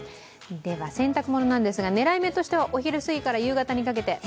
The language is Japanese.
洗濯物なんですが、狙い目としてはお昼過ぎから夕方にかけて。